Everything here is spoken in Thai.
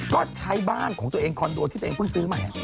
ก็ใช้บ้านของตัวเองคอนโดที่ตัวเองเพิ่งซื้อใหม่